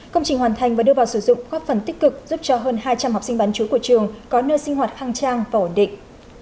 công trình hoàn thành và đưa vào sử dụng góp phần tích cực giúp cho hơn hai trăm linh học sinh bán chú của trường có nơi sinh hoạt khang trang và ổn định